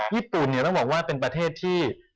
ญี่ปุ่นเนี่ยต้องบอกว่าเป็นประเทศที่